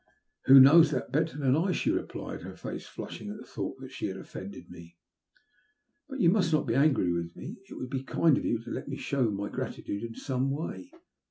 " Who knows that better than I ?" she replied, her face flushing at the thought that she had offended me. But you must not be angry with me. It would be kind of you to let me show my gratitude in some way.